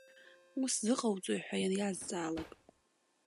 Ус зыҟауҵои ҳәа ианиазҵаалак.